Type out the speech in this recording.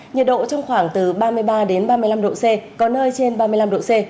nhiệt độ trong khoảng từ ba mươi ba đến ba mươi năm độ c có nơi trên ba mươi năm độ c